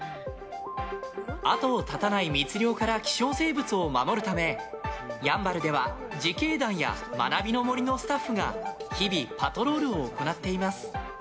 後を絶たない密猟から希少生物を守るためやんばるでは自警団や学びの森のスタッフが日々、パトロールを行っています。